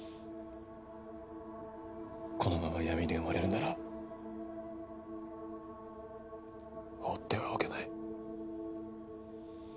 このまま闇に埋もれるなら放ってはおけない。